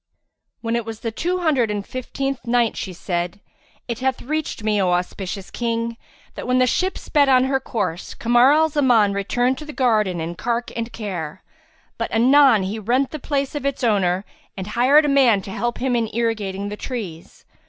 When it was the Two Hundred and Fifteenth Night, She said, It hath reached me, O auspicious King, that when the ship sped on her course, Kamar al Zaman returned to the garden in cark and care; but anon he rented the place of its owner and hired a man to help him in irrigating the trees.